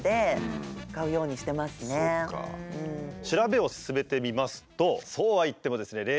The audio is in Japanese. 調べを進めてみますとそうはいってもですね